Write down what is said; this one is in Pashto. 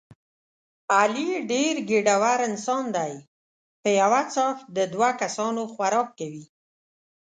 علي ډېر ګېډور انسان دی په یوه څاښت د دوه کسانو خوراک کوي.